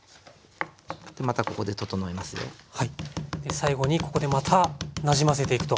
最後にここでまたなじませていくと。